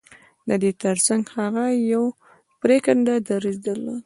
د دې ترڅنګ هغه يو پرېکنده دريځ درلود.